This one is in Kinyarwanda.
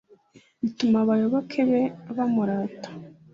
bituma abayoboke be bamurata